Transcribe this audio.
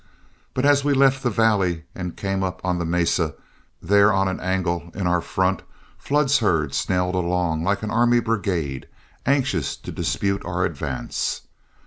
But as we left the valley and came up on the mesa, there on an angle in our front, Flood's herd snailed along like an army brigade, anxious to dispute our advance.